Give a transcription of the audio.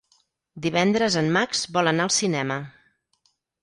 Divendres en Max vol anar al cinema.